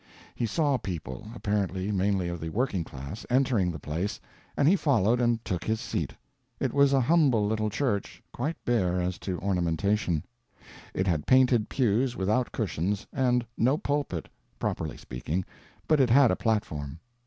He saw people, apparently mainly of the working class, entering the place, and he followed and took his seat. It was a humble little church, quite bare as to ornamentation. It had painted pews without cushions, and no pulpit, properly speaking, but it had a platform.